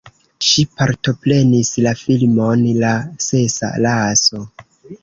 Ŝi partoprenis la filmon La sesa raso.